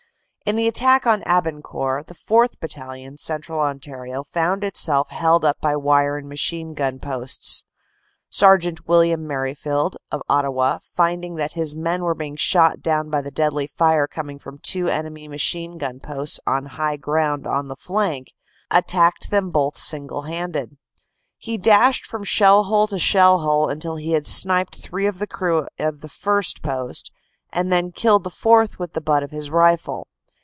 In the attack on Abancourt, the 4th. Battalion, Central Ontario, found itself held up by wire and machine gun posts. Sergt. William Merrifield of Ottawa, finding that his men were being shot down by the deadly fire coming from two enemy machine gun posts on high ground on the flank, attacked them both single handed. He dashed from shell hole to shell hole until he had sniped three of the crew of the first post, and then killed the fourth with the butt of his rifle.